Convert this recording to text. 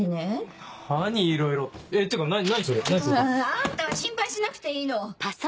あんたは心配しなくていいの！